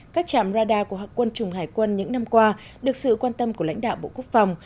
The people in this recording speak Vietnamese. các trạm radar của quân chủng hải quân những năm qua được sự quan tâm của lãnh đạo bộ quốc phòng